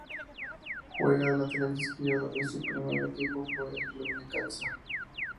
Juega de lateral izquierdo y su primer equipo fue el Club Necaxa.